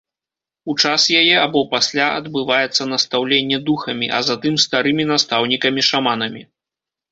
У час яе або пасля адбываецца настаўленне духамі, а затым старымі настаўнікамі-шаманамі.